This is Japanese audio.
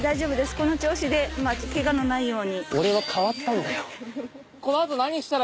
この調子でケガのないように。